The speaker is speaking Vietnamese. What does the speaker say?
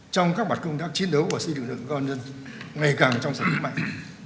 trong các bản công tác chiến đấu của xây dựng lực con dân ngày càng trong sở thức mạnh